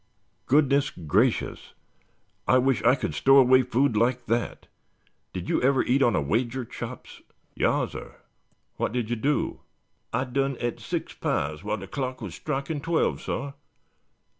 "Goodness gracious! I wish I could stow away food like that. Did you ever eat on a wager, Chops?" "Yassir." "What did you do?" "I done et six pies while de clock was strikin' twelve, sah."